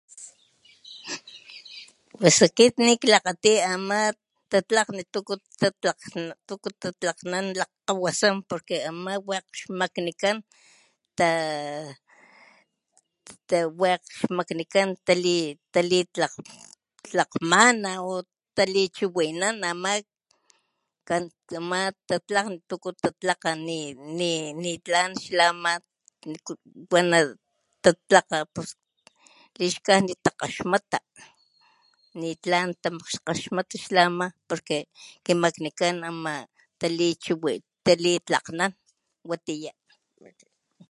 Pues akit niklakgati ama tatlakgni tuku tatlakgnan lakgkgawasan porque ama wakg ama xmaknikan tawakg xmaknikan talitlakgmana talichiwinan ama ama tatlakgni ama tuku tatlakga nitla xla ama wama pus wana tatlakga lixkajnit takgaxmata nitlan takgaxmata la ama porque kimaknikan talichiwinan tatlakanan watiya.